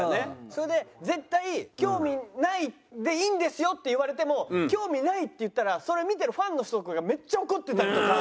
それで絶対「“興味ない”でいいんですよ」って言われても「興味ない」って言ったらそれ見てるファンの人とかがめっちゃ怒ってたりとか。